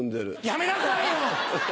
やめなさいよ！